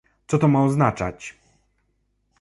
Co to ma oznaczać?